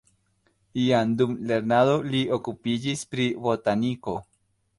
Jam dum lernado li okupiĝis pri botaniko.